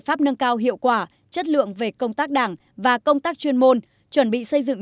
pháp nâng cao hiệu quả chất lượng về công tác đảng và công tác chuyên môn chuẩn bị xây dựng